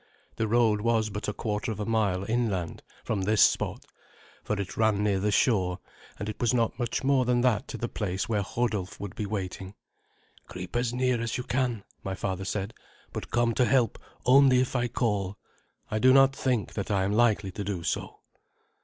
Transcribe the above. The road was but a quarter of a mile inland from this spot, for it ran near the shore, and it was not much more than that to the place where Hodulf would be waiting. "Creep as near as you can," my father said; "but come to help only if I call. I do not think that I am likely to do so."